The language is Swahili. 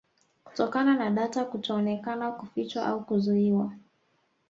Kutokana na data kutoonekana kufichwa au kuzuiwa